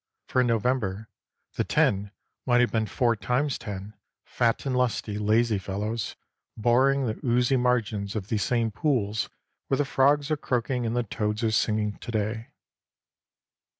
For in November the ten might have been four times ten fat and lusty, lazy fellows, boring the oozy margins of these same pools where the frogs are croaking and the toads are singing to day.